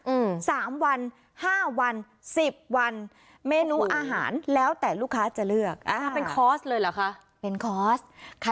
อืมสามวันห้าวันสิบวันเมนูอาหารแล้วแต่ลูกค้าจะเลือก